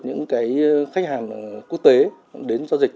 những khách hàng quốc tế đến giao dịch